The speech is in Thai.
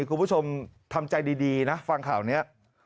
คุณผู้ชมทำใจดีนะฟังข่าวนี้